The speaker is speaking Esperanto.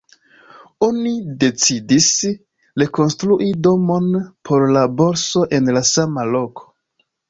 Oni decidis rekonstrui domon por la borso en la sama loko.